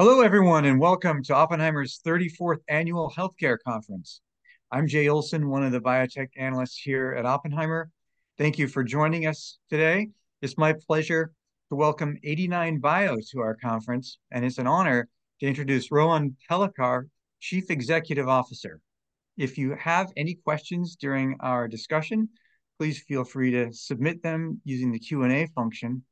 Hello everyone, and welcome to Oppenheimer's 34th Annual Healthcare Conference. I'm Jay Olson, one of the biotech analysts here at Oppenheimer. Thank you for joining us today. It's my pleasure to welcome 89bio to our conference, and it's an honor to introduce Rohan Palekar, Chief Executive Officer. If you have any questions during our discussion, please feel free to submit them using the Q&A function.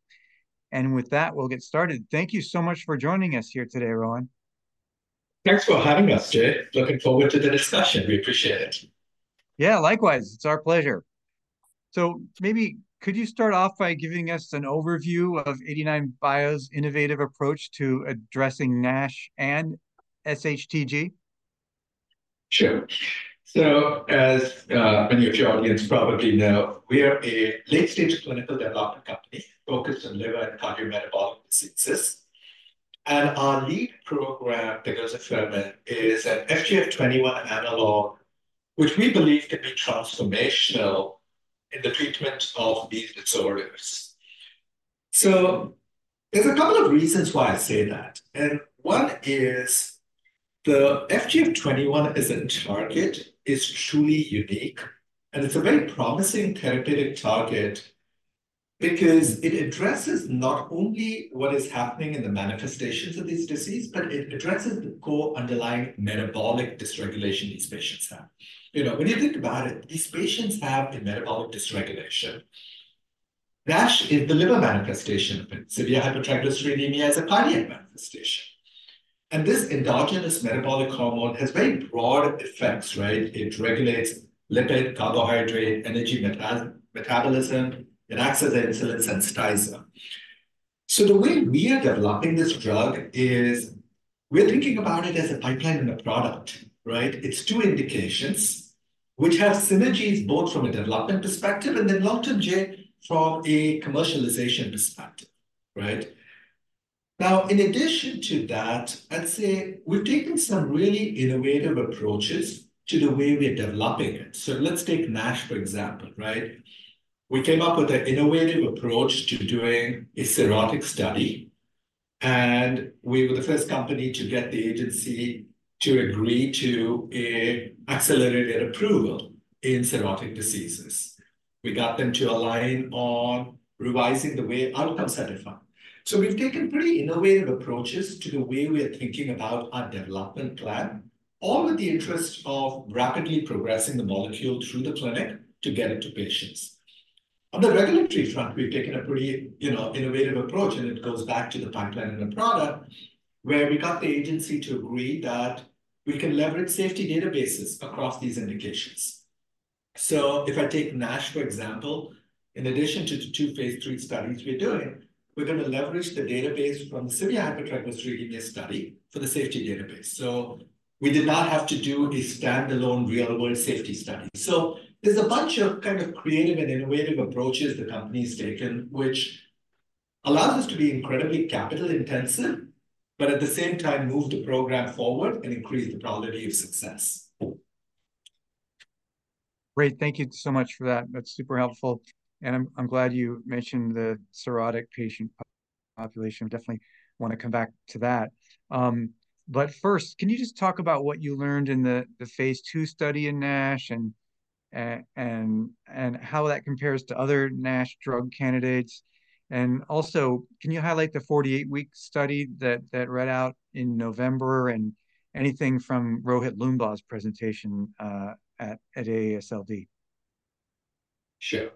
With that, we'll get started. Thank you so much for joining us here today, Rohan. Thanks for having us, Jay. Looking forward to the discussion. We appreciate it. Yeah, likewise. It's our pleasure. So maybe could you start off by giving us an overview of 89bio's innovative approach to addressing NASH and SHTG? Sure. So as many of your audience probably know, we are a late-stage clinical development company focused on liver and cardiometabolic diseases. Our lead program, pegozafermin, is an FGF21 analog, which we believe can be transformational in the treatment of these disorders. There's a couple of reasons why I say that. One is the FGF21 as a target is truly unique, and it's a very promising therapeutic target because it addresses not only what is happening in the manifestations of these diseases, but it addresses the core underlying metabolic dysregulation these patients have. When you think about it, these patients have a metabolic dysregulation. NASH is the liver manifestation of it. Severe hypertriglyceridemia is a cardiac manifestation. And this endogenous metabolic hormone has very broad effects, right? It regulates lipid, carbohydrate, energy metabolism. It acts as an insulin sensitizer. So the way we are developing this drug is we're thinking about it as a pipeline and a product, right? It's two indications which have synergies both from a development perspective and then long-term, Jay, from a commercialization perspective, right? Now, in addition to that, I'd say we've taken some really innovative approaches to the way we're developing it. So let's take NASH, for example, right? We came up with an innovative approach to doing a cirrhotic study, and we were the first company to get the agency to agree to an Accelerated Approval in cirrhotic diseases. We got them to align on revising the way outcomes are defined. So we've taken pretty innovative approaches to the way we are thinking about our development plan, all with the interest of rapidly progressing the molecule through the clinic to get it to patients. On the regulatory front, we've taken a pretty innovative approach, and it goes back to the pipeline and the product where we got the agency to agree that we can leverage safety databases across these indications. So if I take NASH, for example, in addition to the two phase III studies we're doing, we're going to leverage the database from the severe hypertriglyceridemia study for the safety database. So we did not have to do a standalone real-world safety study. So there's a bunch of kind of creative and innovative approaches the company has taken, which allows us to be incredibly capital-intensive, but at the same time move the program forward and increase the probability of success. Great. Thank you so much for that. That's super helpful. And I'm glad you mentioned the cirrhotic patient population. Definitely want to come back to that. But first, can you just talk about what you learned in the phase II study in NASH and how that compares to other NASH drug candidates? And also, can you highlight the 48-week study that read out in November and anything from Rohit Loomba's presentation at AASLD? Sure.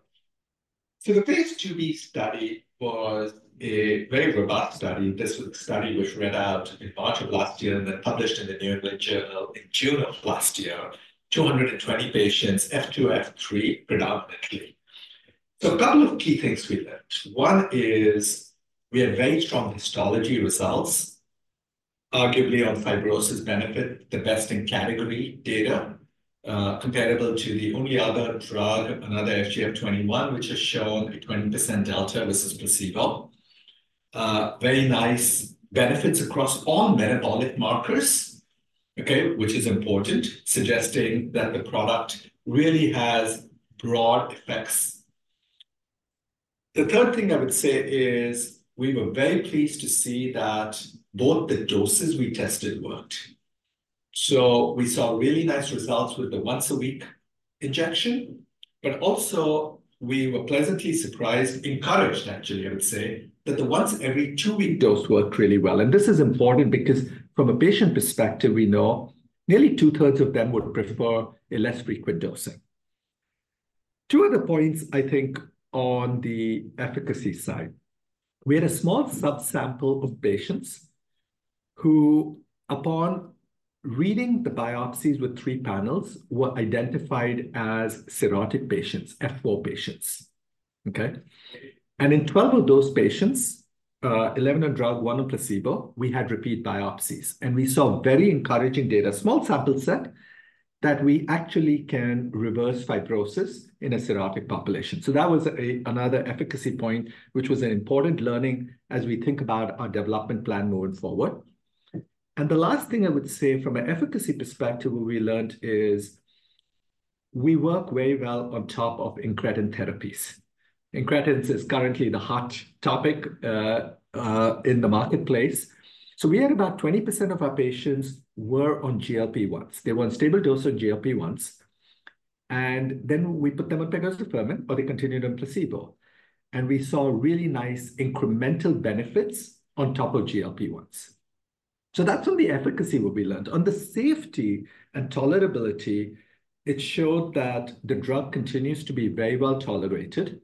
So the Phase II-B study was a very robust study. This was a study which read out in March of last year and then published in the New England Journal in June of last year, 220 patients, F2, F3 predominantly. So a couple of key things we learned. One is we have very strong histology results, arguably on fibrosis benefit, the best in category data comparable to the only other drug, another FGF21, which has shown a 20% delta versus placebo. Very nice benefits across all metabolic markers, okay, which is important, suggesting that the product really has broad effects. The third thing I would say is we were very pleased to see that both the doses we tested worked. So we saw really nice results with the once-a-week injection, but also we were pleasantly surprised, encouraged, actually, I would say, that the once-every-two-week dose worked really well. This is important because from a patient perspective, we know nearly two-thirds of them would prefer a less frequent dosing. Two other points, I think, on the efficacy side. We had a small subsample of patients who, upon reading the biopsies with three panels, were identified as cirrhotic patients, F4 patients, okay? And in 12 of those patients, 11 on drug, one on placebo, we had repeat biopsies. And we saw very encouraging data, small sample set, that we actually can reverse fibrosis in a cirrhotic population. So that was another efficacy point, which was an important learning as we think about our development plan moving forward. And the last thing I would say from an efficacy perspective what we learned is we work very well on top of incretin therapies. Incretins is currently the hot topic in the marketplace. So we had about 20% of our patients were on GLP-1s. They were on stable dose on GLP-1s. And then we put them on pegozafermin, or they continued on placebo. And we saw really nice incremental benefits on top of GLP-1s. So that's from the efficacy what we learned. On the safety and tolerability, it showed that the drug continues to be very well tolerated.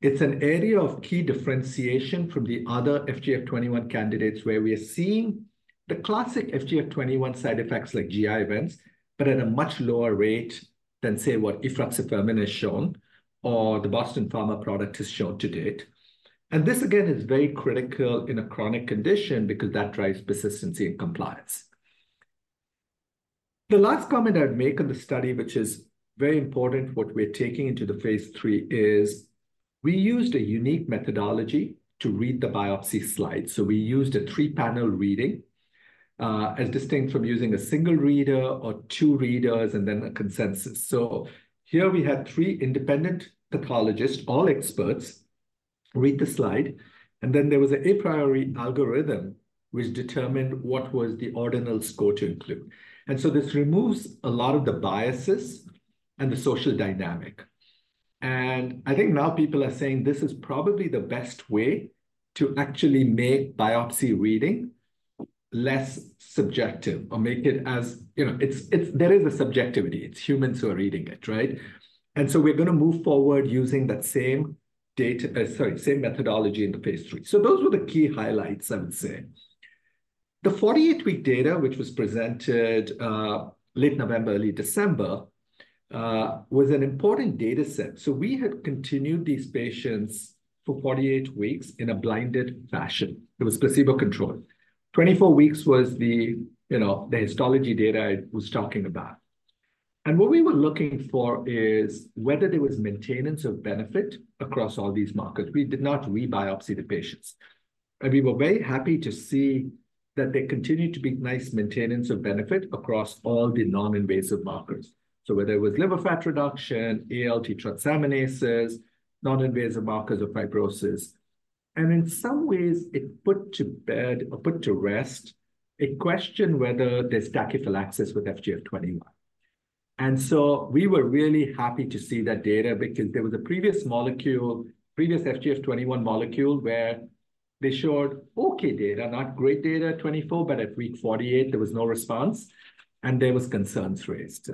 It's an area of key differentiation from the other FGF21 candidates where we are seeing the classic FGF21 side effects like GI events, but at a much lower rate than, say, what efruxifermin has shown or the Boston Pharma product has shown to date. And this, again, is very critical in a chronic condition because that drives persistency and compliance. The last comment I would make on the study, which is very important, what we're taking into the phase III is we used a unique methodology to read the biopsy slides. So we used a three-panel reading as distinct from using a single reader or two readers and then a consensus. So here we had three independent pathologists, all experts, read the slide. And then there was an a priori algorithm which determined what was the ordinal score to include. And so this removes a lot of the biases and the social dynamic. And I think now people are saying this is probably the best way to actually make biopsy reading less subjective or make it as there is a subjectivity. It's humans who are reading it, right? And so we're going to move forward using that same data sorry, same methodology in the phase III. So those were the key highlights, I would say. The 48-week data, which was presented late November, early December, was an important dataset. So we had continued these patients for 48 weeks in a blinded fashion. It was placebo control. 24 weeks was the histology data I was talking about. And what we were looking for is whether there was maintenance of benefit across all these markers. We did not rebiopsy the patients. And we were very happy to see that there continued to be nice maintenance of benefit across all the non-invasive markers. So whether it was liver fat reduction, ALT transaminases, non-invasive markers of fibrosis. And in some ways, it put to bed or put to rest a question whether there's tachyphylaxis with FGF21. We were really happy to see that data because there was a previous molecule, previous FGF21 molecule, where they showed okay data, not great data, 2024, but at week 48, there was no response. There were concerns raised.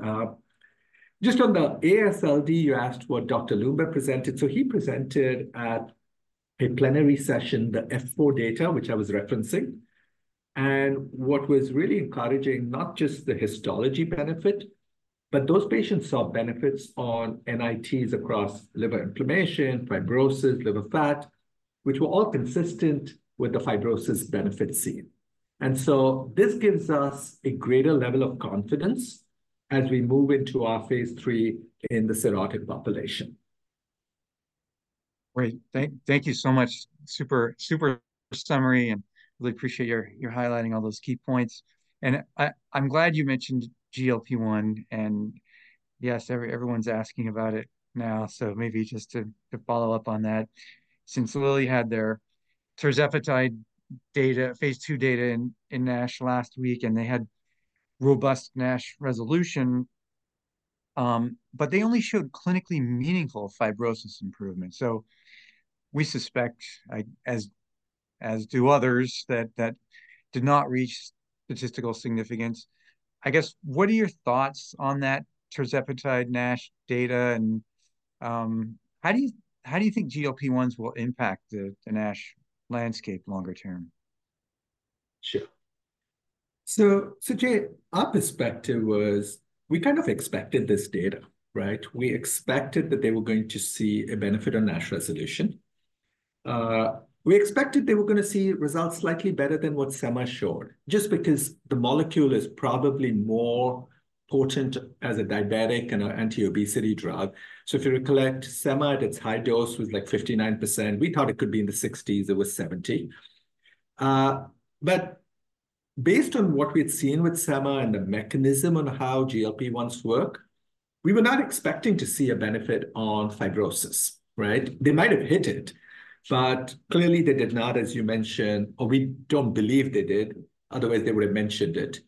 Just on the AASLD, you asked what Dr. Loomba presented. He presented at a plenary session the F4 data, which I was referencing. What was really encouraging, not just the histology benefit, but those patients saw benefits on NITs across liver inflammation, fibrosis, liver fat, which were all consistent with the fibrosis benefit seen. This gives us a greater level of confidence as we move into our phase III in the cirrhotic population. Great. Thank you so much. Super, super summary. And really appreciate your highlighting all those key points. And I'm glad you mentioned GLP-1. And yes, everyone's asking about it now. So maybe just to follow up on that. Since Lilly had their tirzepatide data, phase II data in NASH last week, and they had robust NASH resolution, but they only showed clinically meaningful fibrosis improvement. So we suspect, as do others, that that did not reach statistical significance. I guess, what are your thoughts on that tirzepatide NASH data? And how do you think GLP-1s will impact the NASH landscape longer term? Sure. So, Jay, our perspective was we kind of expected this data, right? We expected that they were going to see a benefit on NASH resolution. We expected they were going to see results slightly better than what SEMA showed, just because the molecule is probably more potent as a diabetic and an anti-obesity drug. So if you recollect, SEMA, at its high dose, was like 59%. We thought it could be in the 60s. It was 70%. But based on what we had seen with SEMA and the mechanism on how GLP-1s work, we were not expecting to see a benefit on fibrosis, right? They might have hit it. But clearly, they did not, as you mentioned, or we don't believe they did. Otherwise, they would have mentioned it.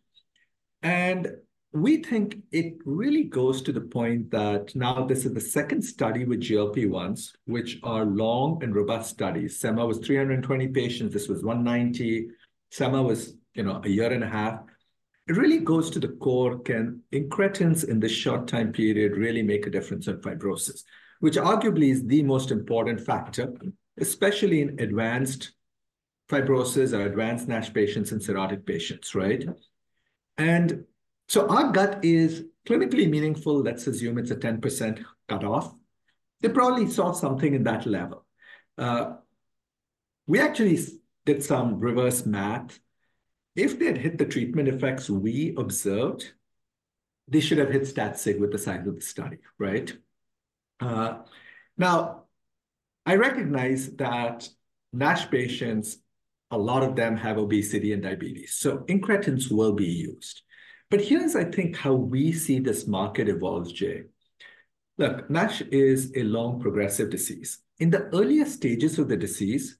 And we think it really goes to the point that now this is the second study with GLP-1s, which are long and robust studies. SEMA was 320 patients. This was 190. SEMA was a year and a half. It really goes to the core. Can incretins in this short time period really make a difference on fibrosis, which arguably is the most important factor, especially in advanced fibrosis or advanced NASH patients and cirrhotic patients, right? And so our gut is clinically meaningful. Let's assume it's a 10% cutoff. They probably saw something in that level. We actually did some reverse math. If they had hit the treatment effects we observed, they should have hit stat sig with the size of the study, right? Now, I recognize that NASH patients, a lot of them have obesity and diabetes. So incretins will be used. But here's, I think, how we see this market evolve, Jay. Look, NASH is a long, progressive disease. In the earliest stages of the disease,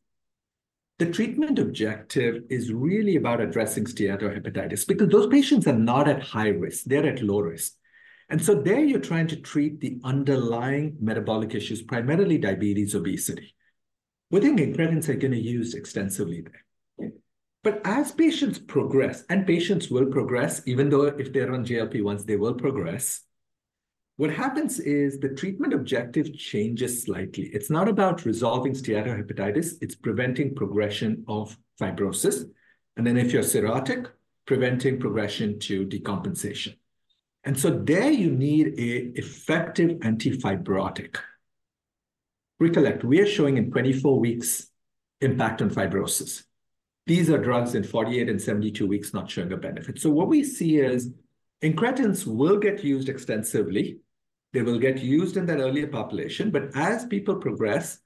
the treatment objective is really about addressing steatohepatitis because those patients are not at high risk. They're at low risk. And so there, you're trying to treat the underlying metabolic issues, primarily diabetes, obesity. We think Incretins are going to use extensively there. But as patients progress, and patients will progress, even though if they're on GLP-1s, they will progress, what happens is the treatment objective changes slightly. It's not about resolving steatohepatitis. It's preventing progression of fibrosis. And then if you're cirrhotic, preventing progression to decompensation. And so there, you need an effective antifibrotic. Recollect, we are showing in 24 weeks impact on fibrosis. These are drugs in 48 and 72 weeks not showing a benefit. What we see is Incretins will get used extensively. They will get used in that earlier population. But as people progress,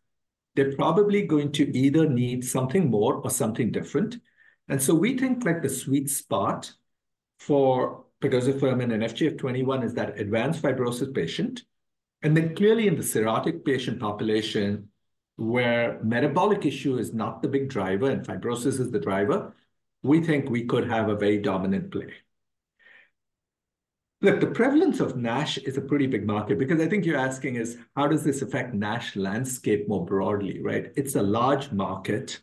they're probably going to either need something more or something different. So we think like the sweet spot for pegozafermin and FGF21 is that advanced fibrosis patient. Then clearly, in the cirrhotic patient population where metabolic issue is not the big driver and fibrosis is the driver, we think we could have a very dominant play. Look, the prevalence of NASH is a pretty big market because I think you're asking is, how does this affect NASH landscape more broadly, right? It's a large market.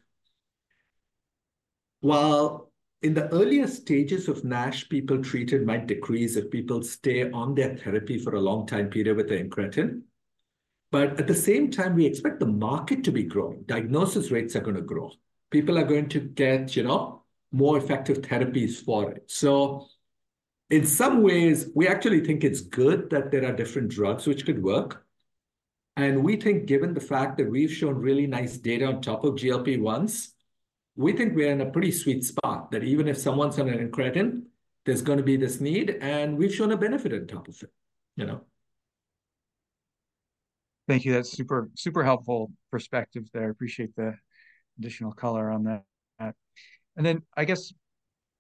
While in the earliest stages of NASH, people treated might decrease if people stay on their therapy for a long time period with the Incretin. But at the same time, we expect the market to be growing. Diagnosis rates are going to grow. People are going to get more effective therapies for it. So in some ways, we actually think it's good that there are different drugs which could work. And we think, given the fact that we've shown really nice data on top of GLP-1s, we think we're in a pretty sweet spot that even if someone's on an incretin, there's going to be this need. And we've shown a benefit on top of it. Thank you. That's super, super helpful perspective there. I appreciate the additional color on that. And then I guess,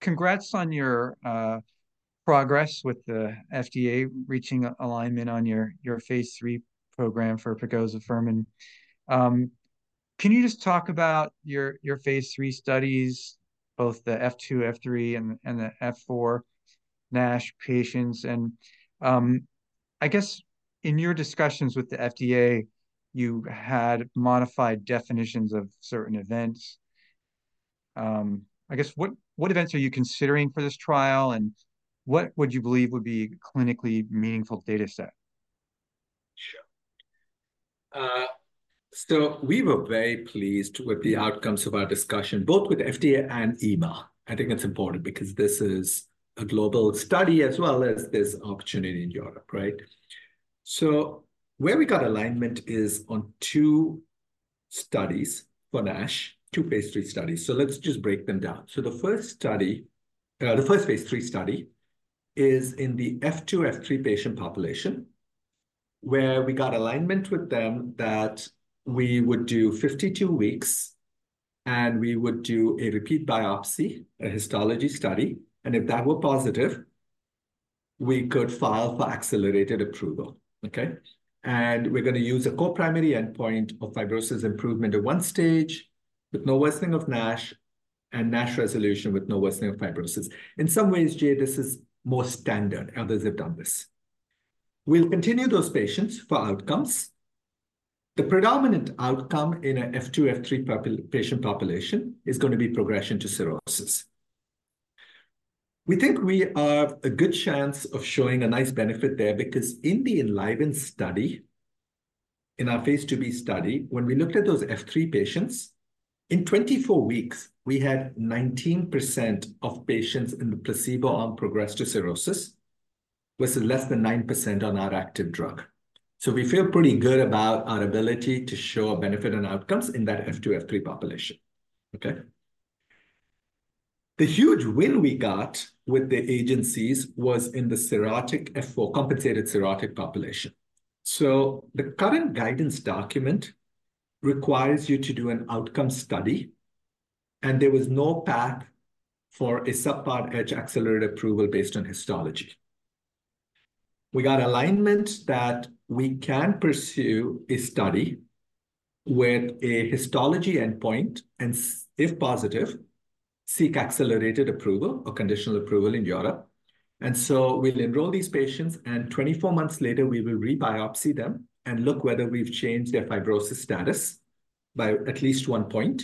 congrats on your progress with the FDA reaching alignment on your Phase III program for pegozafermin. Can you just talk about your Phase III studies, both the F2, F3, and the F4 NASH patients? And I guess, in your discussions with the FDA, you had modified definitions of certain events. I guess, what events are you considering for this trial? And what would you believe would be a clinically meaningful dataset? Sure. So we were very pleased with the outcomes of our discussion, both with FDA and EMA. I think it's important because this is a global study as well as this opportunity in Europe, right? So where we got alignment is on two studies for NASH, two phase III studies. So let's just break them down. So the first study, the first phase III study, is in the F2, F3 patient population, where we got alignment with them that we would do 52 weeks. And we would do a repeat biopsy, a histology study. And if that were positive, we could file for accelerated approval, okay? And we're going to use a coprimary endpoint of fibrosis improvement at one stage with no worsening of NASH and NASH resolution with no worsening of fibrosis. In some ways, Jay, this is more standard. Others have done this. We'll continue those patients for outcomes. The predominant outcome in an F2, F3 patient population is going to be progression to cirrhosis. We think we are a good chance of showing a nice benefit there because in the ENLIVEN study, in our Phase IIb study, when we looked at those F3 patients, in 24 weeks, we had 19% of patients in the placebo on progressed to cirrhosis versus less than 9% on our active drug. So we feel pretty good about our ability to show a benefit and outcomes in that F2, F3 population, okay? The huge win we got with the agencies was in the cirrhotic F4, compensated cirrhotic population. So the current guidance document requires you to do an outcome study. And there was no path for a Subpart H accelerated approval based on histology. We got alignment that we can pursue a study with a histology endpoint and, if positive, seek accelerated approval or conditional approval in Europe. So we'll enroll these patients. 24 months later, we will rebiopsy them and look whether we've changed their fibrosis status by at least 1 point.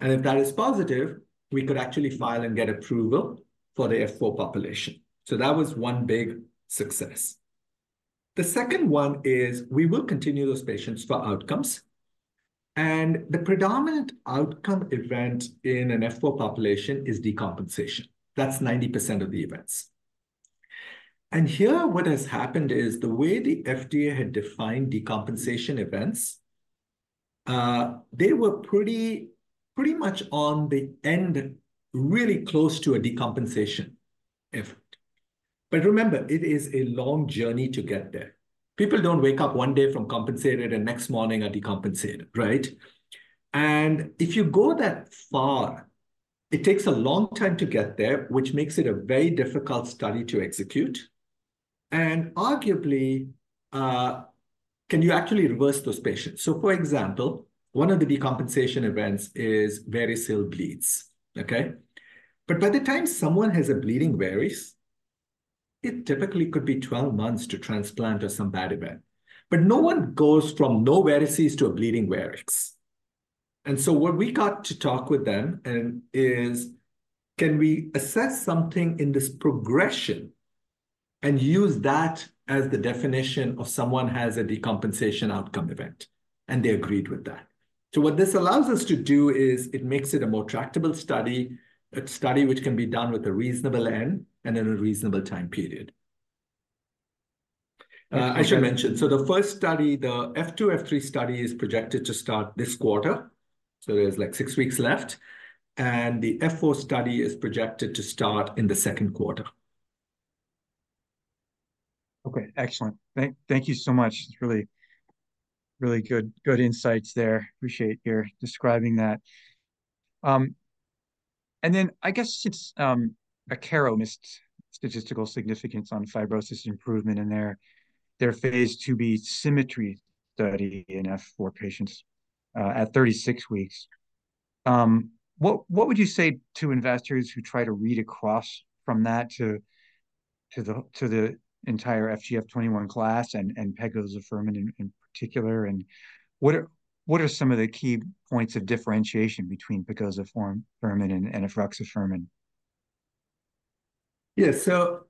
If that is positive, we could actually file and get approval for the F4 population. That was one big success. The second one is we will continue those patients for outcomes. The predominant outcome event in an F4 population is decompensation. That's 90% of the events. Here, what has happened is the way the FDA had defined decompensation events, they were pretty much on the end, really close to a decompensation effort. But remember, it is a long journey to get there. People don't wake up one day from compensated and next morning are decompensated, right? And if you go that far, it takes a long time to get there, which makes it a very difficult study to execute. And arguably, can you actually reverse those patients? So, for example, one of the decompensation events is variceal bleeds, okay? But by the time someone has a bleeding varices, it typically could be 12 months to transplant or some bad event. But no one goes from no varices to a bleeding varices. And so what we got to talk with them is, can we assess something in this progression and use that as the definition of someone has a decompensation outcome event? And they agreed with that. So what this allows us to do is it makes it a more tractable study, a study which can be done with a reasonable end and in a reasonable time period. I should mention, so the first study, the F2, F3 study is projected to start this quarter. So there's like six weeks left. The F4 study is projected to start in the second quarter. Okay, excellent. Thank you so much. It's really, really good insights there. Appreciate you describing that. And then I guess since Akero missed statistical significance on fibrosis improvement in their phase II-B SYMMETRY study in F4 patients at 36 weeks, what would you say to investors who try to read across from that to the entire FGF21 class and pegozafermin in particular? And what are some of the key points of differentiation between pegozafermin and efruxifermin? Yeah. So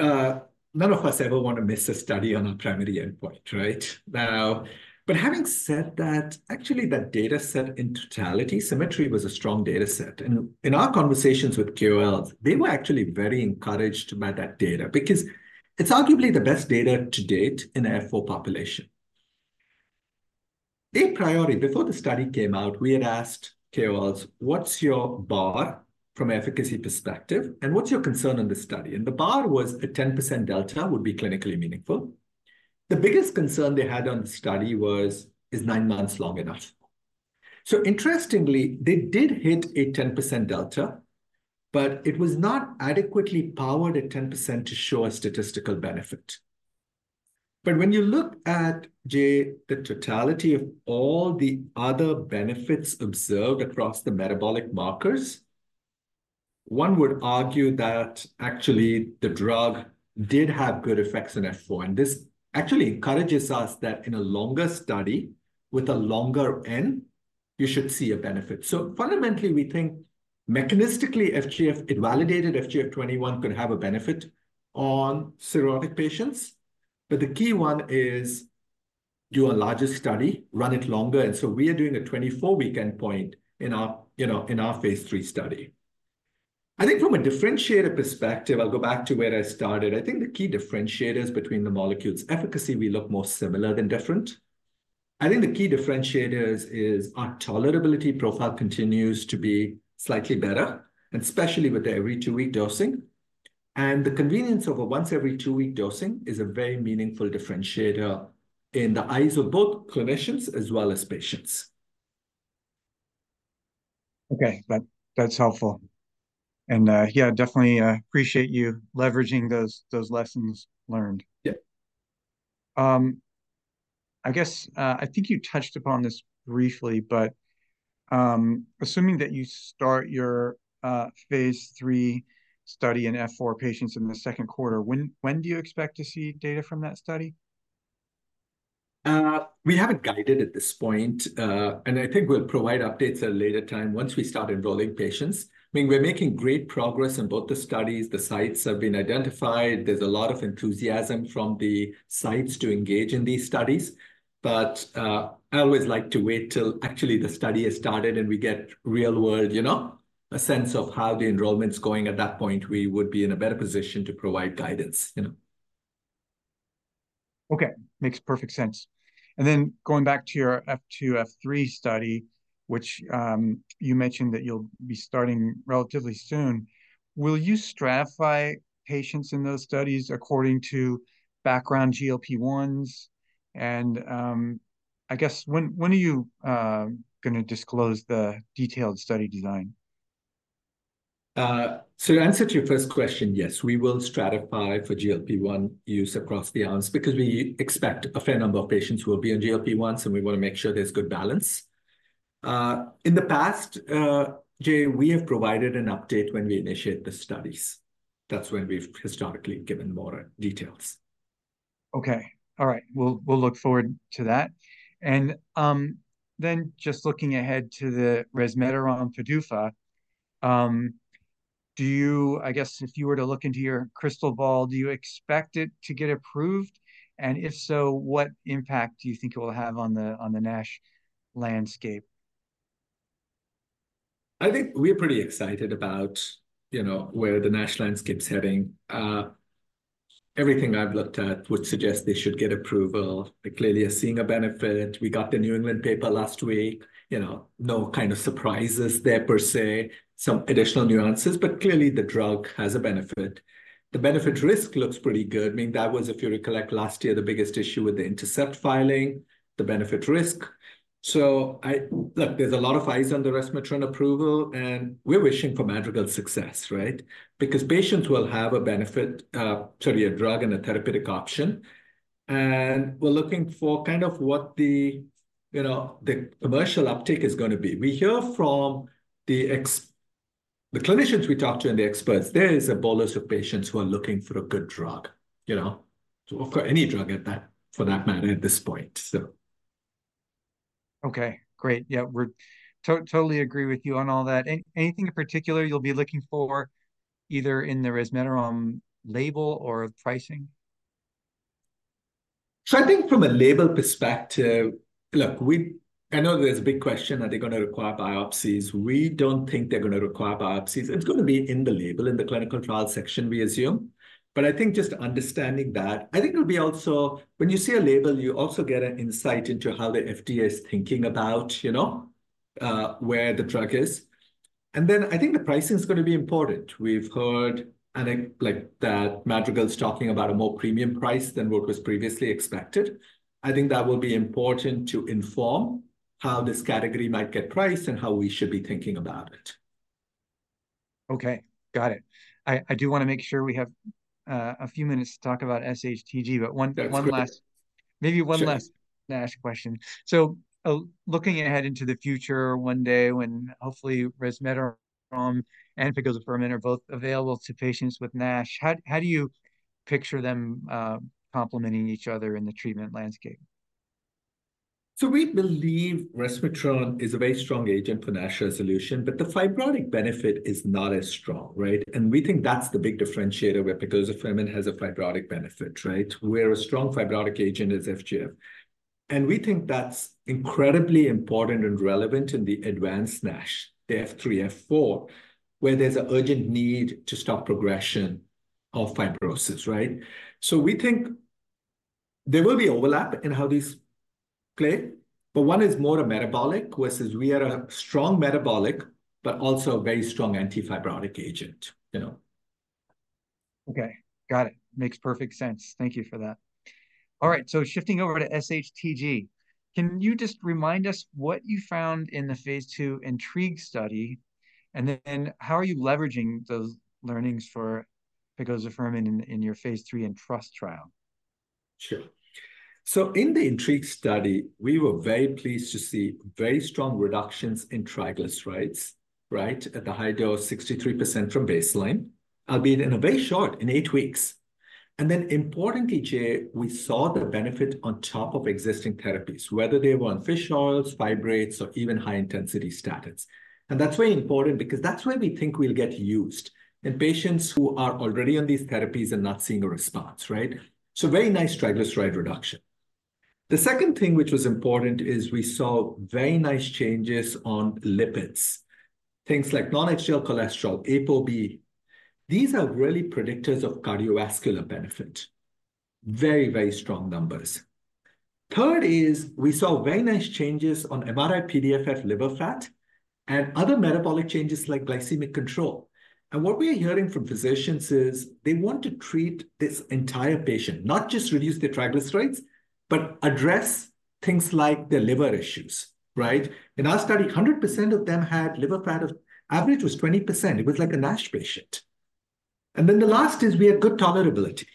none of us ever want to miss a study on our primary endpoint, right? Now, but having said that, actually, that dataset in totality, SYMMETRY was a strong dataset. And in our conversations with KOLs, they were actually very encouraged by that data because it's arguably the best data to date in an F4 population. Before the study came out, we had asked KOLs, "What's your bar from an efficacy perspective? And what's your concern on this study?" And the bar was a 10% delta would be clinically meaningful. The biggest concern they had on the study was, is nine months long enough? So interestingly, they did hit a 10% delta. But it was not adequately powered at 10% to show a statistical benefit. But when you look at, Jay, the totality of all the other benefits observed across the metabolic markers, one would argue that actually, the drug did have good effects in F4. And this actually encourages us that in a longer study with a longer end, you should see a benefit. So fundamentally, we think mechanistically, FGF, it validated FGF21 could have a benefit on cirrhotic patients. But the key one is do a larger study, run it longer. And so we are doing a 24-week endpoint in our phase III study. I think from a differentiator perspective, I'll go back to where I started. I think the key differentiators between the molecules' efficacy, we look more similar than different. I think the key differentiators is our tolerability profile continues to be slightly better, especially with the every-two-week dosing. The convenience of a once-every-two-week dosing is a very meaningful differentiator in the eyes of both clinicians as well as patients. Okay, that's helpful. Yeah, definitely appreciate you leveraging those lessons learned. Yeah. I guess I think you touched upon this briefly. But assuming that you start your phase III study in F4 patients in the second quarter, when do you expect to see data from that study? We haven't guided at this point. I think we'll provide updates at a later time once we start enrolling patients. I mean, we're making great progress in both the studies. The sites have been identified. There's a lot of enthusiasm from the sites to engage in these studies. I always like to wait till actually the study has started and we get real-world, you know, a sense of how the enrollment's going. At that point, we would be in a better position to provide guidance. Okay, makes perfect sense. Then going back to your F2, F3 study, which you mentioned that you'll be starting relatively soon, will you stratify patients in those studies according to background GLP-1s? I guess when are you going to disclose the detailed study design? To answer to your first question, yes, we will stratify for GLP-1 use across the arms because we expect a fair number of patients who will be on GLP-1s. We want to make sure there's good balance. In the past, Jay, we have provided an update when we initiate the studies. That's when we've historically given more details. Okay, all right. We'll look forward to that. Then, just looking ahead to the resmetirom PDUFA, do you, I guess, if you were to look into your crystal ball, do you expect it to get approved? And if so, what impact do you think it will have on the NASH landscape? I think we're pretty excited about where the NASH landscape's heading. Everything I've looked at would suggest they should get approval. They clearly are seeing a benefit. We got the New England paper last week. No kind of surprises there per se, some additional nuances. But clearly, the drug has a benefit. The benefit-risk looks pretty good. I mean, that was, if you recollect last year, the biggest issue with the Intercept filing, the benefit-risk. So look, there's a lot of eyes on the resmetirom approval. And we're wishing for Madrigal success, right? Because patients will have a benefit, sorry, a drug and a therapeutic option. And we're looking for kind of what the commercial uptake is going to be. We hear from the clinicians we talk to and the experts. There is a bolus of patients who are looking for a good drug, you know, for any drug for that matter at this point, so. Okay, great. Yeah, we totally agree with you on all that. Anything in particular you'll be looking for either in the resmetirom label or pricing? So I think from a label perspective, look, I know there's a big question, are they going to require biopsies? We don't think they're going to require biopsies. It's going to be in the label, in the clinical trial section, we assume. But I think just understanding that, I think it'll be also when you see a label, you also get an insight into how the FDA is thinking about where the drug is. And then I think the pricing is going to be important. We've heard that Madrigal is talking about a more premium price than what was previously expected. I think that will be important to inform how this category might get priced and how we should be thinking about it. Okay, got it. I do want to make sure we have a few minutes to talk about SHTG. But one last, maybe one last NASH question. So looking ahead into the future one day when hopefully resmetirom and pegozafermin are both available to patients with NASH, how do you picture them complementing each other in the treatment landscape? So we believe resmetirom is a very strong agent for NASH resolution. But the fibrotic benefit is not as strong, right? And we think that's the big differentiator where pegozafermin has a fibrotic benefit, right, where a strong fibrotic agent is FGF. And we think that's incredibly important and relevant in the advanced NASH, the F3, F4, where there's an urgent need to stop progression of fibrosis, right? So we think there will be overlap in how these play. But one is more a metabolic versus we are a strong metabolic, but also a very strong antifibrotic agent, you know? Okay, got it. Makes perfect sense. Thank you for that. All right, so shifting over to SHTG, can you just remind us what you found in the phase II ENTRIGUE study? And then how are you leveraging those learnings for pegozafermin in your phase III INTRuST trial? Sure. So in the ENTRIGUE study, we were very pleased to see very strong reductions in triglycerides, right, at the high dose, 63% from baseline, albeit in a very short, in 8 weeks. And then importantly, Jay, we saw the benefit on top of existing therapies, whether they were on fish oils, fibrates, or even high-intensity statins. And that's very important because that's where we think we'll get used in patients who are already on these therapies and not seeing a response, right? So very nice triglyceride reduction. The second thing which was important is we saw very nice changes on lipids, things like non-HDL cholesterol, ApoB. These are really predictors of cardiovascular benefit, very, very strong numbers. Third is we saw very nice changes on MRI-PDFF liver fat and other metabolic changes like glycemic control. What we are hearing from physicians is they want to treat this entire patient, not just reduce their triglycerides, but address things like their liver issues, right? In our study, 100% of them had liver fat. Average was 20%. It was like a NASH patient. And then the last is we had good tolerability.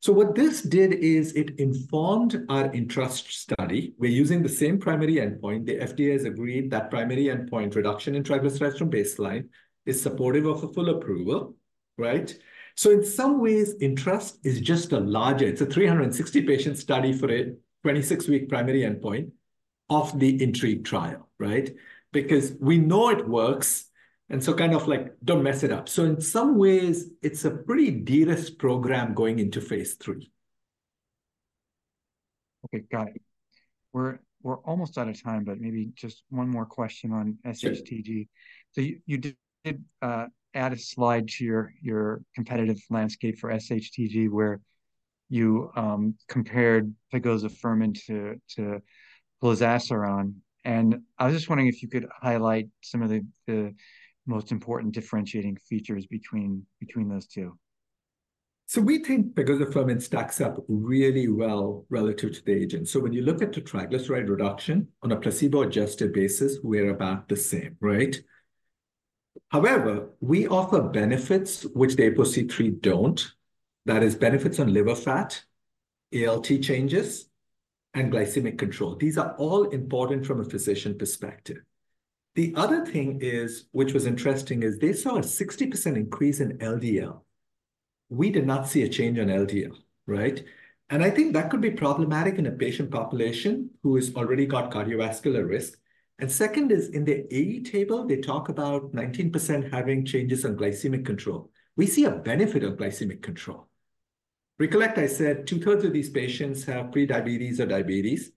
So what this did is it informed our INTRuST study. We're using the same primary endpoint. The FDA has agreed that primary endpoint reduction in triglycerides from baseline is supportive of a full approval, right? So in some ways, INTRuST is just a larger, it's a 360-patient study for a 26-week primary endpoint of the INTRIGUE trial, right? Because we know it works. And so kind of like, don't mess it up. So in some ways, it's a pretty de-risked program going into phase III. Okay, got it. We're almost out of time. But maybe just one more question on SHTG. So you did add a slide to your competitive landscape for SHTG where you compared pegozafermin to plozasiran. And I was just wondering if you could highlight some of the most important differentiating features between those two. So we think pegozafermin stacks up really well relative to the agent. So when you look at the triglyceride reduction on a placebo-adjusted basis, we're about the same, right? However, we offer benefits which the ApoC-III don't. That is benefits on liver fat, ALT changes, and glycemic control. These are all important from a physician perspective. The other thing which was interesting is they saw a 60% increase in LDL. We did not see a change in LDL, right? And I think that could be problematic in a patient population who has already got cardiovascular risk. And second is in the AE table, they talk about 19% having changes on glycemic control. We see a benefit of glycemic control. Recollect, I said, two-thirds of these patients have prediabetes or diabetes.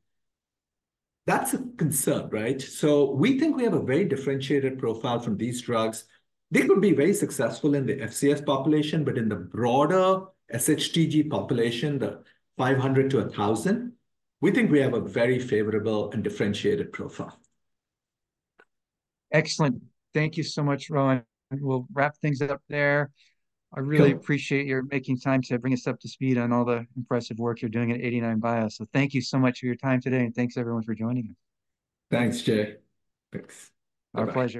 That's a concern, right? So we think we have a very differentiated profile from these drugs. They could be very successful in the FCS population. But in the broader SHTG population, the 500-1,000, we think we have a very favorable and differentiated profile. Excellent. Thank you so much, Rohan. We'll wrap things up there. I really appreciate your making time to bring us up to speed on all the impressive work you're doing at 89bio. So thank you so much for your time today. Thanks, everyone, for joining us. Thanks, Jay. Thanks. All right, pleasure.